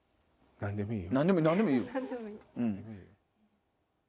何でもいいよ。